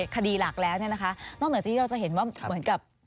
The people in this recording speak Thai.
คดีหลักแล้วเนี่ยนะคะนอกเหนือจากที่เราจะเห็นว่าเหมือนกับ